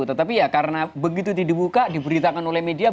tetapi ya karena begitu dibuka diberitakan oleh media